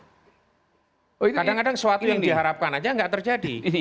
kadang kadang sesuatu yang diharapkan saja tidak terjadi